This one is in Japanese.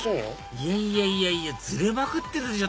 いやいやいやいやずれまくってるでしょ